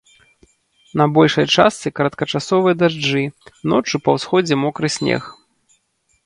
На большай частцы кароткачасовыя дажджы, ноччу па ўсходзе мокры снег.